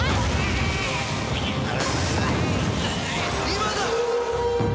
今だ！